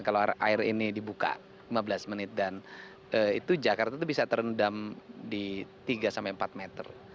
kalau air ini dibuka lima belas menit dan itu jakarta itu bisa terendam di tiga sampai empat meter